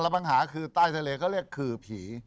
กระปังหาคือใต้ทะเลเขาเรียกขื่อผี